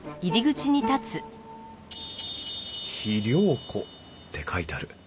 「肥料庫」って書いてある。